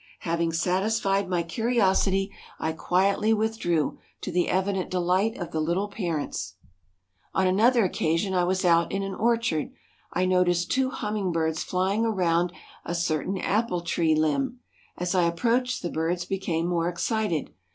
Having satisfied my curiosity I quietly withdrew, to the evident delight of the little parents. On another occasion I was out in an orchard. I noticed two hummingbirds flying around a certain apple tree limb. As I approached the birds became more excited.